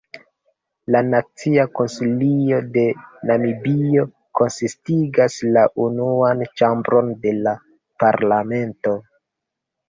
La Nacia Konsilio de Namibio konsistigas la unuan ĉambron de la parlamento.